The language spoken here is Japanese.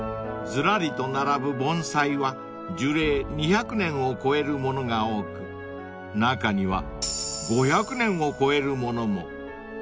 ［ずらりと並ぶ盆栽は樹齢２００年を超えるものが多く中には５００年を超えるものも］